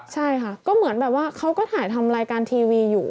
ใช่ค่ะก็เหมือนแบบว่าเขาก็ถ่ายทำรายการทีวีอยู่